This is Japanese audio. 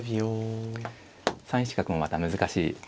３一角もまた難しい手ですね。